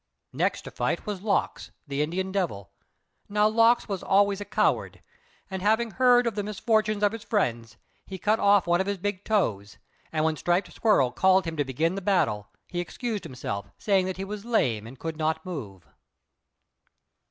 Next to fight was Lox, the Indian Devil. Now Lox was always a coward, and having heard of the misfortunes of his friends, he cut off one of his big toes, and when Striped Squirrel called him to begin the battle, he excused himself, saying that he was lame and could not move.